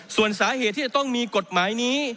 ส่วนสาเหตุที่จะต้องมีกฎหมายนี้